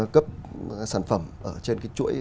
cấp sản phẩm trên cái chuỗi